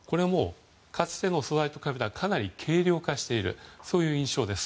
かつての素材と比べたらかなり軽量化している印象です。